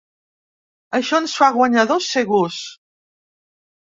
Això ens fa guanyadors segurs.